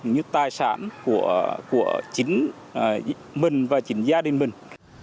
như tài sản của chính mình và chính gia đình mình